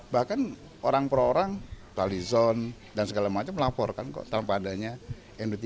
bahkan orang orang talizon dan segala macam melaporkan kok tanpa adanya md tiga